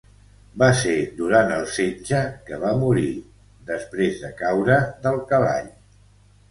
Va ser durant el setge que va morir, després de caure del cavall.